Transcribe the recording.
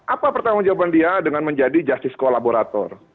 apa pertanggung jawaban dia dengan menjadi justice kolaborator